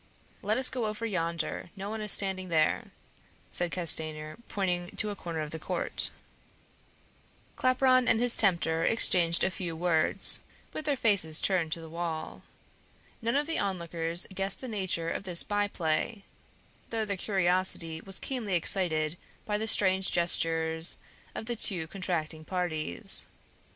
"Let us go over yonder, no one is standing there," said Castanier, pointing to a corner of the court. Claparon and his tempter exchanged a few words, with their faces turned to the wall. None of the onlookers guessed the nature of this by play, though their curiosity was keenly excited by the strange gestures of the two contracting parties.